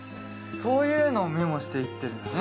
そういうのをメモしていってるんだね